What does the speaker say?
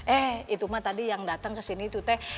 eh itu mah tadi yang dateng kesini tuh teh